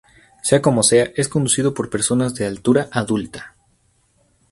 Sea como sea, es conducido por personas de altura adulta"".